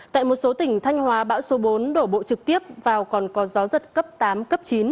tại một số tỉnh thanh hóa bão số bốn đổ bộ trực tiếp vào còn có gió giật cấp tám cấp chín